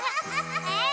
えっ？